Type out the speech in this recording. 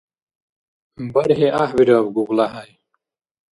БархӀи гӀяхӀбираб, ГуглахӀяй!